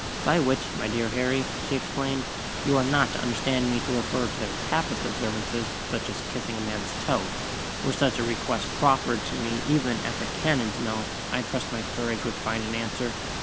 "By which, my dear Harry," she explained, "you are not to understand me to refer to their Papist observances, such as kissing a man's toe. Were such a request proffered to me even at the cannon's mouth, I trust my courage would find an answer.